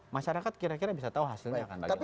masyarakat kira kira bisa tahu hasilnya akan bagi lain